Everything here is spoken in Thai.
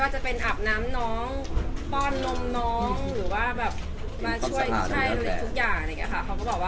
จะเป็นอาบน้ำน้องป้อนลมน้องในทุกอย่าง